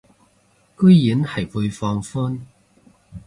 居然係會放寬